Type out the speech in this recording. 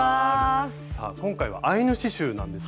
さあ今回は「アイヌ刺しゅう」なんですけど。